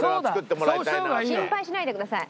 心配しないでください。